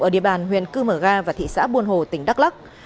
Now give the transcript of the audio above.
ở địa bàn huyện cư mờ ga và thị xã buôn hồ tỉnh đắk lắk